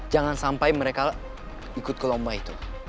jangan sampai mereka ikut ke lomba itu